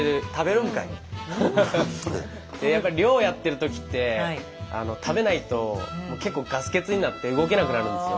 やっぱり漁をやってる時って食べないと結構ガス欠になって動けなくなるんですよ。